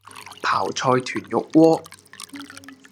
泡菜豚肉鍋